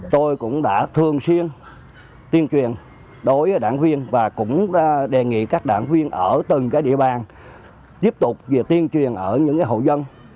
tôi cũng đã thường xuyên tuyên truyền đối với đảng viên và cũng đề nghị các đảng viên ở từng địa bàn tiếp tục tiên truyền ở những hộ dân